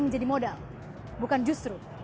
menjadi modal bukan justru